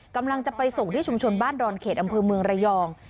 กำลังจะไปส่งที่ชุมชนบ้านดอนเขตอำเภอเมืองระยอง